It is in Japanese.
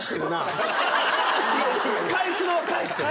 返すは返してる。